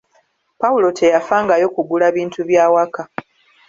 Pawulo teyafangayo kugula bintu bya waka.